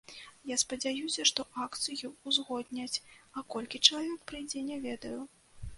Я спадзяюся, што акцыю ўзгодняць, а колькі чалавек прыйдзе, не ведаю.